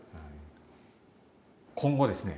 今後ですね